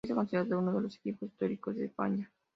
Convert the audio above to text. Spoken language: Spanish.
Esta considerado uno de los equipos históricos de España.